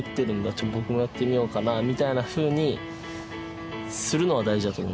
ちょっと僕もやってみようかな」みたいなふうにするのは大事だと思いますね。